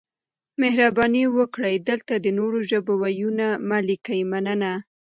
مهرباني وکړئ دلته د نورو ژبو وييونه مه لیکئ مننه